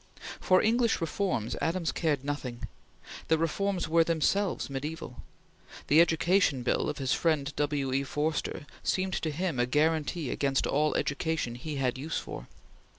For English reforms Adams cared nothing. The reforms were themselves mediaeval. The Education Bill of his friend W. E. Forster seemed to him a guaranty against all education he had use for.